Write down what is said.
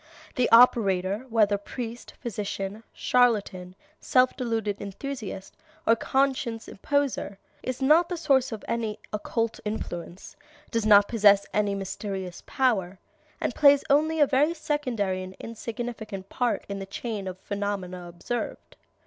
The operator, whether priest, physician, charlatan, self deluded enthusiast, or conscious imposter, is not the source of any occult influence, does not possess any mysterious power, and plays only a very secondary and insignificant part in the chain of phenomena observed.